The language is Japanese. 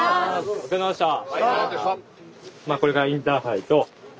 お疲れさまでした。